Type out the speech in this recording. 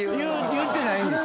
言ってないんですよ。